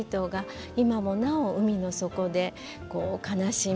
今もなお海の底で悲しみ